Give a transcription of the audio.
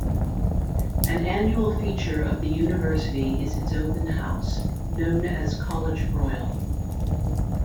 An annual feature of the university is its open house, known as College Royal.